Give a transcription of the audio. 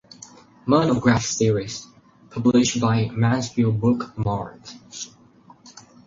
Monograph Series (published by Mansfield Book Mart).